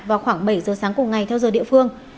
vào khoảng bảy giờ sáng cùng ngày theo giờ địa phương